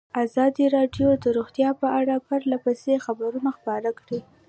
ازادي راډیو د روغتیا په اړه پرله پسې خبرونه خپاره کړي.